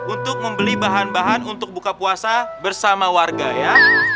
untuk membeli bahan bahan untuk buka puasa bersama warga ya